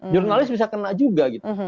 jurnalis bisa kena juga gitu